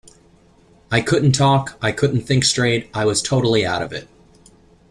I couldn't talk, I couldn't think straight, I was totally out of it.